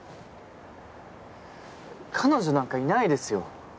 彼女なんかいないですよ。